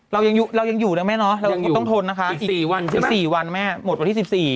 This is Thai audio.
เรายังอยู่แล้วแม่เนอะต้องทนนะคะอีก๔วันแม่หมดวันที่๑๔